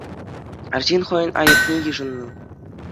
Арҫын хӑйӗн айӑпне йышӑннӑ.